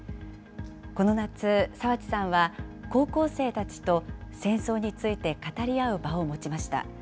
この夏、澤地さんは、高校生たちと戦争について語り合う場を持ちました。